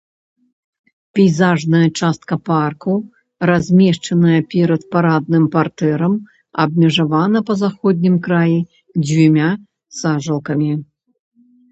Пейзажная частка парку размешчаная перад парадным партэрам, абмежавана па заходнім краі дзвюма сажалкамі.